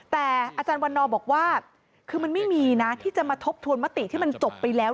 แต่อาจารย์วันนอบอกว่าคือมันไม่มีนะที่จะมาทบทวนมติที่มันจบไปแล้ว